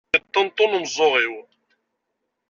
Yeṭṭentun umeẓẓeɣ-iw.